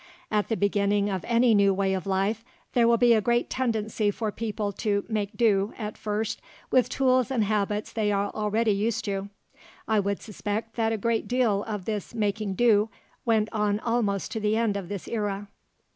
At the beginning of any new way of life, there will be a great tendency for people to make do, at first, with tools and habits they are already used to. I would suspect that a great deal of this making do went on almost to the end of this era.